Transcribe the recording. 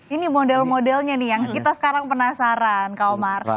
ini model modelnya nih yang kita sekarang penasaran kak omar